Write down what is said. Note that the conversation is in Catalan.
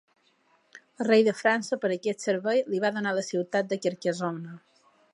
El rei de França per aquest servei li va donar la ciutat de Carcassona.